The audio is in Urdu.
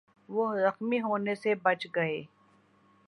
وہ زخمی ہونے سے بچ گئے